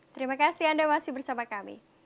terima kasih anda masih bersama kami